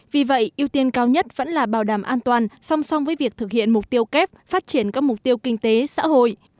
vì vậy ưu tiên cao nhất vẫn là bảo đảm an toàn song song với việc thực hiện mục tiêu kép phát triển các mục tiêu kinh tế xã hội